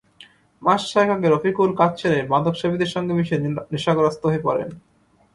মাস ছয়েক আগে রফিকুল কাজ ছেড়ে মাদকসেবীদের সঙ্গে মিশে নেশাগ্রস্ত হয়ে পড়েন।